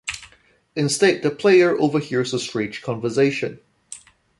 Instead, the player overhears a strange conversation.